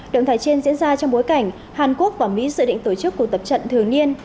động thái trên diễn ra trong bối cảnh hàn quốc và mỹ dự định tổ chức cuộc tập trận thường niên